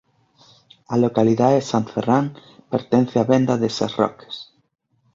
A localidade de Sant Ferran pertence á venda de Ses Roques.